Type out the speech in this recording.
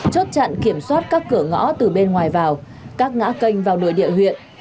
chốt chặn kiểm soát các cửa ngõ từ bên ngoài vào các ngã kênh vào nội địa huyện